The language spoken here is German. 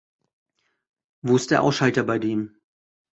Wo ist der Ausschalter bei dem?